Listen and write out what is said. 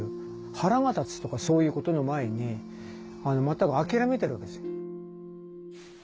腹が立つとかそういうことの前に全く諦めてるわけですよ。